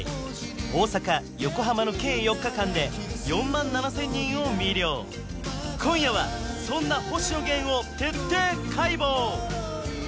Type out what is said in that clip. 大阪横浜の計４日間で４万７０００人を魅了今夜はそんな星野源を徹底解剖！